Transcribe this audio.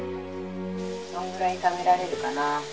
どんぐらい食べられるかな